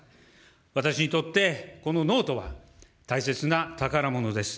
私にとって、このノートは大切な宝物です。